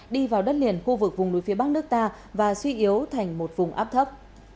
đi vào đất liền khu vực vùng núi phía bắc nước ta và suy yếu thành một vùng áp thấp